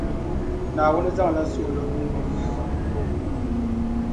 Naawuni zaŋla suɣulo n gbubi niriba.